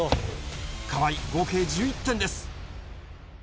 河合、合計１１点です。